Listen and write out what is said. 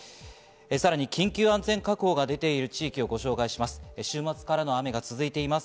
さらに緊急安全確保が出ている地域をご紹介します。